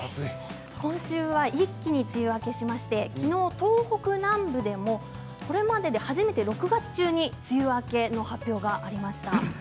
今週は一気に梅雨明けしましてきのう東北南部でもこれまでで初めて６月中に梅雨明けの発表がありました。